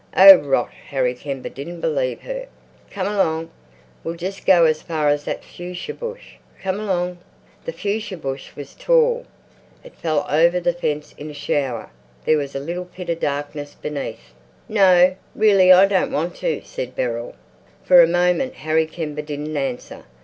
"Oh, rot!" Harry Kember didn't believe her. "Come along! We'll just go as far as that fuchsia bush. Come along!" The fuchsia bush was tall. It fell over the fence in a shower. There was a little pit of darkness beneath. "No, really, I don't want to," said Beryl. For a moment Harry Kember didn't answer.